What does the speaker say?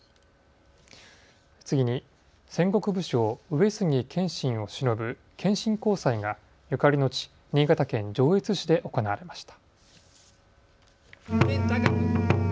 次に戦国武将、上杉謙信をしのぶ謙信公祭がゆかりの地、新潟県上越市で行われました。